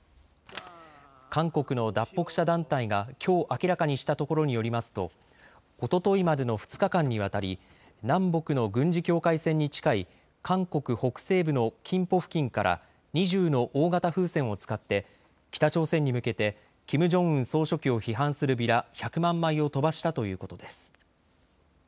韓国の脱北者団体がきょう明らかにしたところによりますとおとといまでの２日間にわたり南北の軍事境界線に近い韓国北西部のキンポ付近から２０の大型風船を使って北朝鮮に向けてキム・ジョンウン総書記を批判するビラ１００万枚を飛ばしたということです。